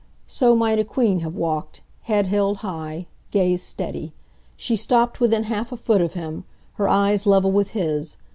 So might a queen have walked, head held high, gaze steady. She stopped within half a foot of him, her eyes level with his.